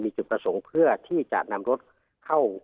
มีจุดประสงค์เพื่อที่จะนำรถเข้า